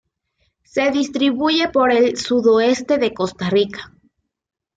Se distribuye por el sudoeste de Costa Rica.